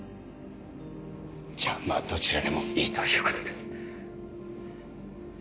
じゃまあどちらでもいいということで